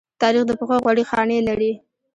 تاریخ د پښو غوړې خاڼې لري.